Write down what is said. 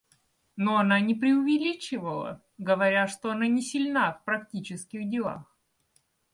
Но она не преувеличивала, говоря, что она не сильна в практических делах.